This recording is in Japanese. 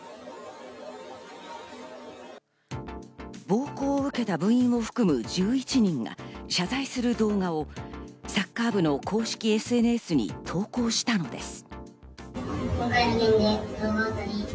暴行を受けた部員を含む１１人が謝罪する動画をサッカー部の公式ＳＮＳに投稿したのです。